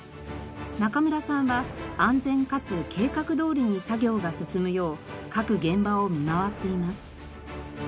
中村さんは安全かつ計画どおりに作業が進むよう各現場を見回っています。